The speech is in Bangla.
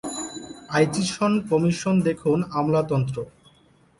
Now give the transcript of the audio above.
আইচিসন কমিশন দেখুন আমলাতন্ত্র।